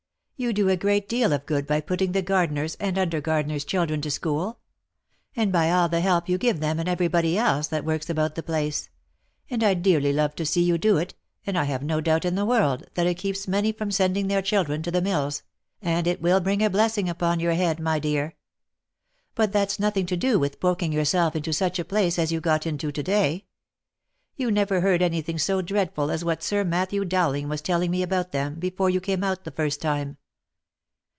You do a great deal of good by putting the gardener's, and under gardener's children to school ; and by all the help you give them and every body else that works about the place, and I dearly love to see you do it, and I have no doubt in the world, that it keeps many from sending their children to the mills, and it will bring a blessing upon your head, my dear. But that's nothing to do with poking yourself into such a place as you got into to day. You never heard any thing so dreadful as what Sir Matthew Dowling was telling me about them, before you came out the first time."